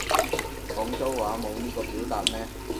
廣州話冇呢個表達咩